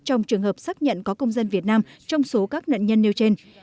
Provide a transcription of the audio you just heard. trong trường hợp xác nhận có công dân việt nam trong số các nạn nhân nêu trên